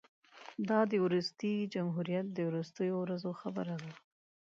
دا د وروستي جمهوریت د وروستیو ورځو خبره ده.